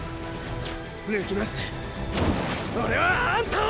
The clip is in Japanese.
抜きますオレはあんたを！